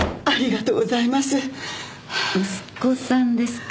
息子さんですか？